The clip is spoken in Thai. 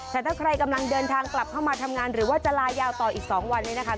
แต่ถ้าใครกำลังเดินทางกลับเข้ามาทำงานหรือว่าจะลายาวต่ออีก๒วันนี้นะคะ